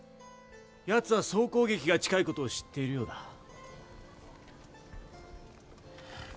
ヤツは総攻撃が近い事を知っているようだ。